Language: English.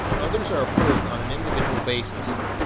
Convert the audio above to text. Others are approved on an individual basis.